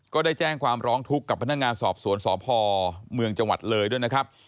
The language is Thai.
ก็ได้แจ้งความร้องทุกข์กับพนักงานสอบสวนสพเมืองจังหวัดเลยด้วยนะครับ